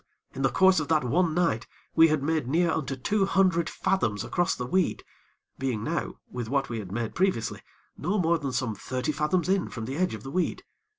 in the course of that one night, we had made near unto two hundred fathoms across the weed, being now, with what we had made previously, no more than some thirty fathoms in from the edge of the weed.